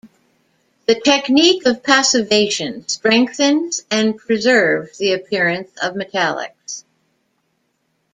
The technique of passivation strengthens and preserves the appearance of metallics.